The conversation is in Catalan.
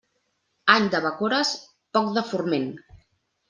Any de bacores, poc de forment.